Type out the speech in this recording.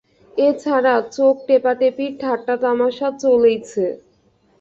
এ ছাড়া চোখটেপাটেপি ঠাট্টা তামাসা চলেইছে।